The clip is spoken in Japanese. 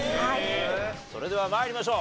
それでは参りましょう。